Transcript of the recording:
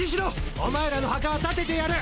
おまえらの墓は立ててやる。